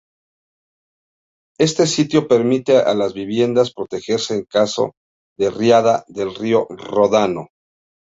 Este sitio permite a las viviendas protegerse en caso de riada del río Ródano.